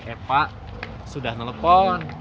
epa sudah telepon